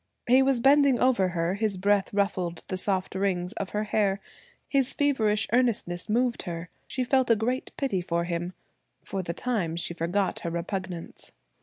He was bending over her, his breath ruffled the soft rings of her hair. His feverish earnestness moved her. She felt a great pity for him. For the time she forgot her repugnance.